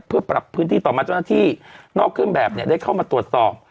เพื่อปรับพื้นที่ต่อมาเจ้าหน้าที่นอกเครื่องแบบเนี่ยได้เข้ามาตรวจสอบ